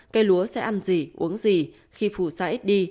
cây lúa sẽ ăn gì uống gì khi phù sa ít đi